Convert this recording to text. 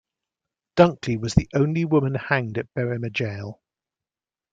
Dunkley was the only woman hanged at Berrima Gaol.